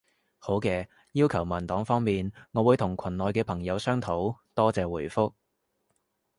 好嘅，要求文檔方面，我會同群內嘅朋友商討。多謝回覆